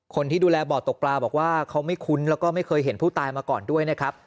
คนที่ดูแลบ่อตกปลาบอกว่าเขาไม่คุ้นแล้วก็ไม่เคยเห็นผู้ตายมาก่อนด้วยนะครับ